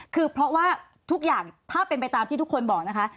คือเพราะว่าทุกอย่างถ้าเป็นไปตามที่ทุกคนบอกนะคะ